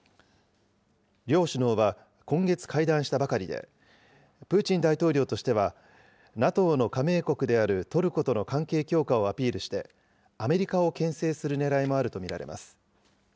両首脳は今月会談したばかりで、プーチン大統領としては、ＮＡＴＯの加盟国であるトルコとの関係強化をアピールして、アメリカをけん制するねらいもあると見られます。